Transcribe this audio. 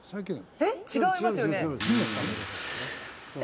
えっ、違いますよね？